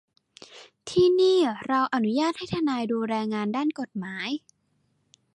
ที่นี่เราอนุญาตให้ทนายดูแลงานด้านกฎหมาย